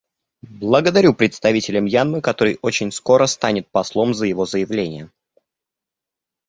Благодарю представителя Мьянмы, который очень скоро станет послом, за его заявление.